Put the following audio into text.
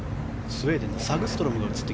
スウェーデンのサグストロム。